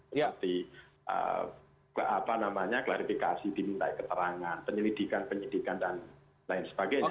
seperti klarifikasi diminta keterangan penyelidikan penyidikan dan lain sebagainya